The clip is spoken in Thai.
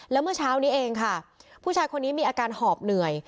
แล้วเมื่อเช้านี้เองค่ะผู้ชายคนนี้มีอาการหอบเหนื่อย